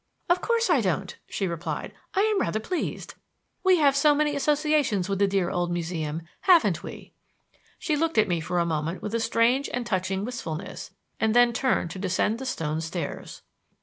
"Of course I don't," she replied. "I am rather pleased. We have so many associations with the dear old Museum, haven't we?" She looked at me for a moment with a strange and touching wistfulness and then turned to descend the stone stairs.